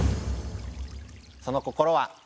その心は？